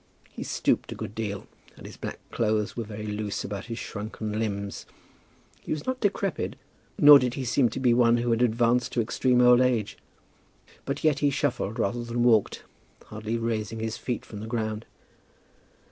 He stooped a good deal, and his black clothes were very loose about his shrunken limbs. He was not decrepit, nor did he seem to be one who had advanced to extreme old age; but yet he shuffled rather than walked, hardly raising his feet from the ground.